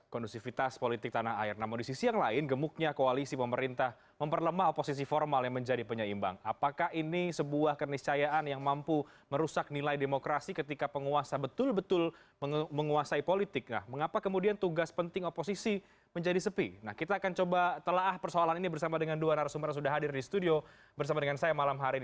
kita akan coba telah persoalan ini bersama dengan dua narasumber yang sudah hadir di studio bersama dengan saya malam hari ini